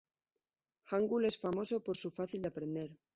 Hangul es famoso por su fácil de aprender.